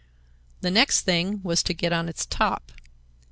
The next thing was to get on its top.